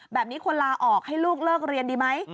แบบนี้ควรลาออกให้ลูกเลิกเรียนดีไหม